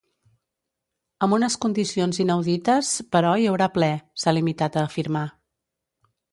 Amb unes condicions inaudites però hi haurà ple, s’ha limitat a afirmar.